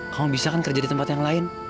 kamu bisa kan kerja di tempat yang lain